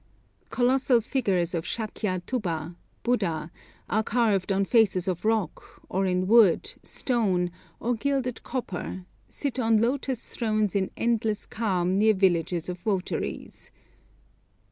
Colossal figures of Shakya Thubba (Buddha) are carved on faces of rock, or in wood, stone, or gilded copper sit on lotus thrones in endless calm near villages of votaries.